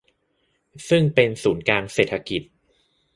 ซึ่งเป็นศูนย์กลางเศรษฐกิจ